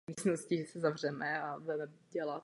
Mládež se zajímala o sport.